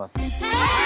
はい！